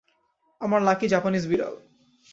আমার lucky Japanese বিড়াল।